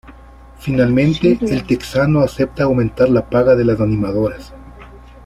Finalmente, el texano acepta aumentar la paga de las animadoras.